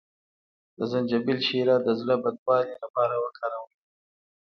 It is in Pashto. د زنجبیل شیره د زړه بدوالي لپاره وکاروئ